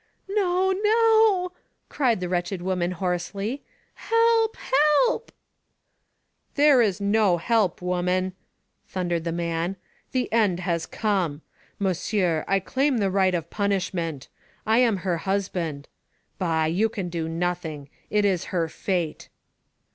"No, no,*' cried the wretched woman hoarsely. ''Help! help! "There is no help, woman," thundered the man. "The end has come. Monsieur, I claim the right of punishment. I am her husband. Bah ! you can do nothing. It is her fate